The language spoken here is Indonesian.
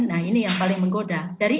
nah ini yang paling menggoda